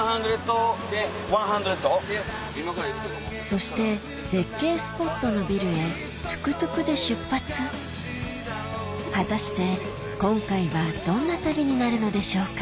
そして絶景スポットのビルへトゥクトゥクで出発果たして今回はどんな旅になるのでしょうか？